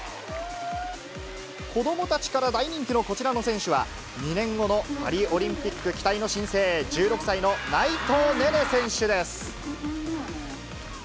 子どもたちから大人気のこちらの選手は、２年後のパリオリンピック期待の新星、１６歳の内藤寧々選手です。